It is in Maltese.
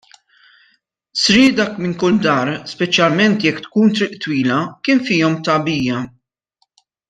Sriedak minn kull dar speċjalment jekk tkun triq twila, kien fihom tagħbija.